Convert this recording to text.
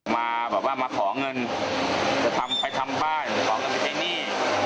มาแบบว่ามาขอเงินจะทำไปทำบ้านหรือขอเงินไปใช้หนี้